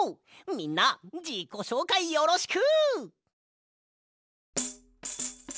みんなじこしょうかいよろしく！